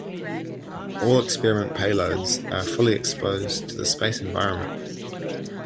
All experiment payloads are fully exposed to the space environment.